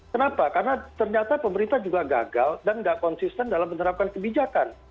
kenapa karena ternyata pemerintah juga gagal dan tidak konsisten dalam menerapkan kebijakan